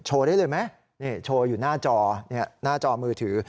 โชว์ได้เลยไหมโชว์อยู่หน้าจอมือถือ